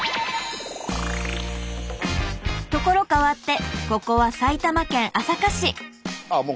ところ変わってここは埼玉県朝霞市。